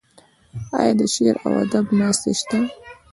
آیا د شعر او ادب ناستې شته؟